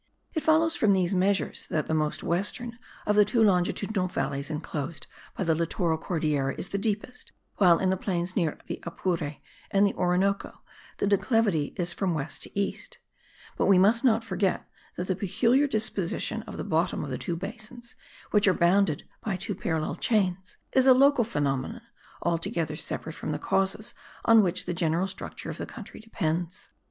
It follows from these measures that the most western of the two longitudinal valleys enclosed by the littoral Cordillera is the deepest; while in the plains near the Apure and the Orinoco the declivity is from west to east; but we must not forget that the peculiar disposition of the bottom of the two basins, which are bounded by two parallel chains, is a local phenomenon altogether separate from the causes on which the general structure of the country depends.